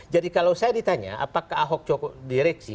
jadi kalau saya ditanya apakah ahok cukup direksi